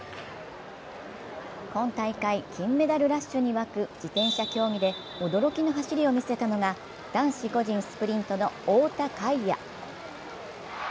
今大会、金メダルラッシュに沸く自転車競技で驚きの走りを見せたのは、男子個人スプリントの太田海也。